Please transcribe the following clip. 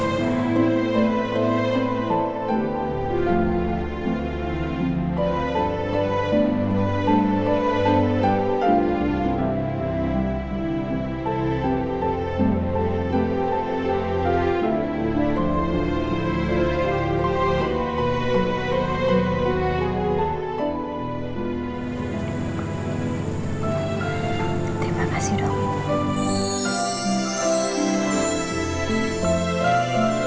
terima kasih dong